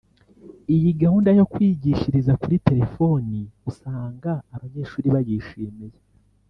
Iyi gahunda yo kwigishiriza kuri terefoni usanga abanyeshuri bayishimiye